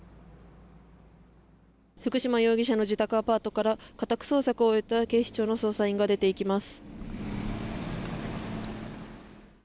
福島容疑者の自宅アパートから家宅捜索を終えた警視庁の捜査員が出て行きます。